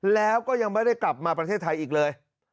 แล้วก็ยังไม่ได้กลับมาประเทศไทยอีกเลย